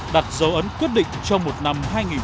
đặt dấu ấn quyết định trong một năm hai nghìn một mươi tám